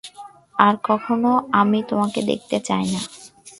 আর কখনোই আমি তোমাকে দেখতে চাই না।